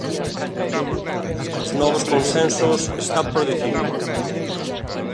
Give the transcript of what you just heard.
Os novos consensos están por decidir.